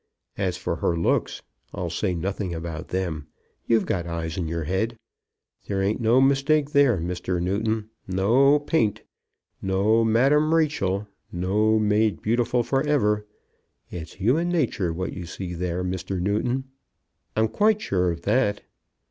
As for her looks, I'll say nothing about them. You've got eyes in your head. There ain't no mistake there, Mr. Newton; no paint; no Madame Rachel; no made beautiful for ever! It's human nature what you see there, Mr. Newton." "I'm quite sure of that."